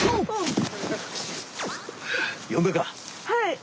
はい。